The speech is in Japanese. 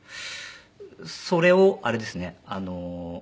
それをあれですねあの。